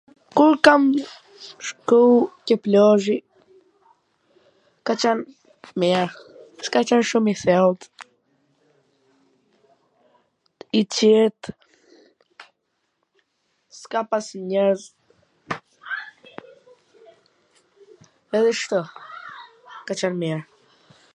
kur kam shku ke plazhi, ka qwn mir, s' ka qwn shum i thell, ... i qet, ka pas njerz, edhe shtu, ka qwn mir.